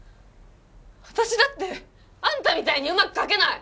私だってあんたみたいにうまく描けない！